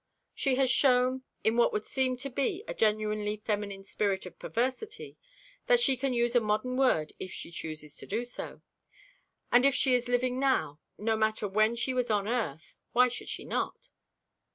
She has shown, in what would seem to be a genuinely feminine spirit of perversity, that she can use a modern word if she chooses to do so. And if she is living now, no matter when she was on earth, why should she not?